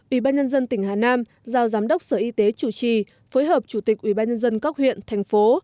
ủy ban nhân dân tỉnh hà nam giao giám đốc sở y tế chủ trì phối hợp chủ tịch ủy ban nhân dân các huyện thành phố